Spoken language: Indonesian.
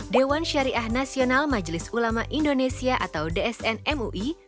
dewan syariah nasional majelis ulama indonesia atau dsn mui